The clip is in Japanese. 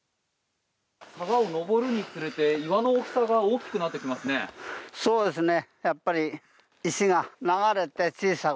沢を上るにつれて岩の大きさが大きくなってきますね。